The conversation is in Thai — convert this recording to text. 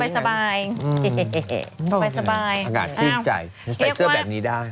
สบายขนาดชื่นใจใส่เสื้อแบบนี้ได้